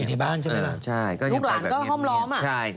ลูกหลานก็ห้อมล้อมอะ